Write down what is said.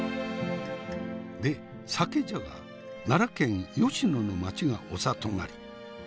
で酒じゃが奈良県吉野の町がお里なり。